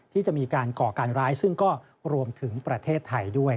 ที่จะมีการก่อการร้ายซึ่งก็รวมถึงประเทศไทยด้วย